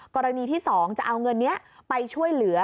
กรณีที่๒จะเอาเงินนี้ไปช่วยเหลือ